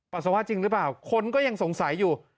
สาวะจริงหรือเปล่าคนก็ยังสงสัยอยู่